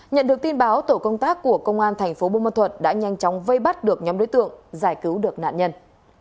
nhận được tin báo tổ công tác của công an tp bộ môn thuận đã nhanh chóng vây bắt được nhóm đối tượng giải cứu được nạn nhân